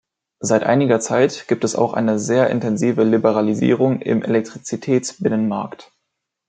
Seit einiger Zeit gibt es auch eine sehr intensive Liberalisierung im Elektrizitätsbinnenmarkt.